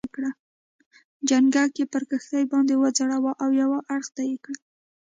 چنګک یې پر کښتۍ باندې وځړاوه او یو اړخ ته یې کړ.